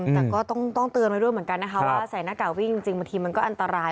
แต่ก็ต้องเตือนไว้ด้วยเหมือนกันนะคะว่าใส่หน้ากากวิ่งจริงบางทีมันก็อันตราย